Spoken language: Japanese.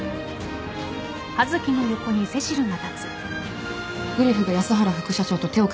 グリフが安原副社長と手を組みました。